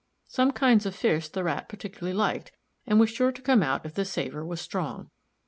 Some kinds of fish the Rat particularly liked, and was sure to come out if the savor was strong.